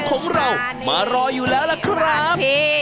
อบเตอร์มหาสนุกกลับมาสร้างความสนานครื้นเครงพร้อมกับแขกรับเชิง